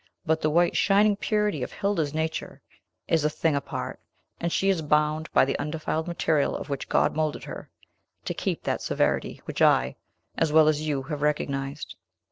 But the white shining purity of Hilda's nature is a thing apart; and she is bound, by the undefiled material of which God moulded her, to keep that severity which I, as well as you, have recognized."